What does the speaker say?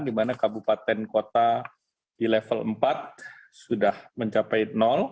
dimana kabupaten kota di level empat sudah mencapai